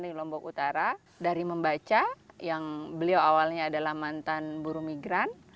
di lombok utara dari membaca yang beliau awalnya adalah mantan buru migran